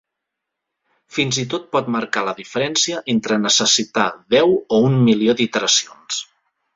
Fins i tot pot marcar la diferència entre necessitar deu o un milió d'iteracions.